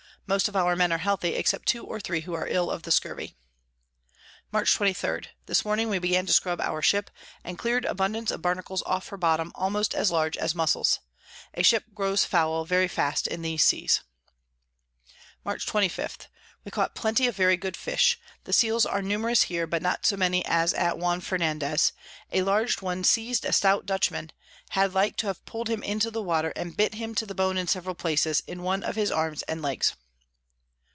Most of our Men are healthy, except two or three who are ill of the Scurvey. Mar. 23. This Morning we began to scrub our Ship, and clear'd abundance of Barnacles off her Bottom, almost as large as Muscles. A Ship grows foul very fast in these Seas. Mar. 25. We caught plenty of very good Fish. The Seals are numerous here, but not so many as at Juan Fernandez: A large one seiz'd a stout Dutchman, had like to have pull'd him into the Water, and bit him to the bone in several places, in one of his Arms and Legs.